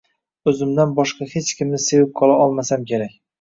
O‘zimdan boshqa hech kimni sevib qola olmasam kerak